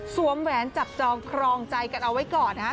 แหวนจับจองครองใจกันเอาไว้ก่อนนะครับ